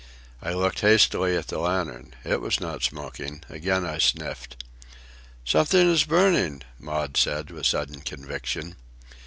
I looked hastily at the lantern. It was not smoking. Again I sniffed. "Something is burning," Maud said, with sudden conviction.